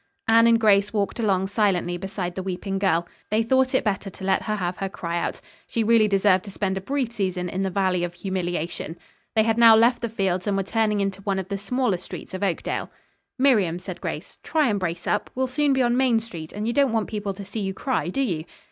Anne and Grace walked along silently beside the weeping girl. They thought it better to let her have her cry out. She really deserved to spend a brief season in the Valley of Humiliation. They had now left the fields and were turning into one of the smaller streets of Oakdale. "Miriam," said Grace, "try and brace up. We'll soon be on Main Street and you don't want people to see you cry, do you?